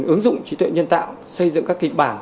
ứng dụng trí tuệ nhân tạo xây dựng các kịch bản